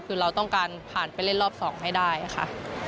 คือเราต้องการผ่านไปเล่นรอบ๒ให้ได้ค่ะ